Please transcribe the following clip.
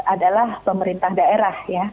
adalah pemerintah daerah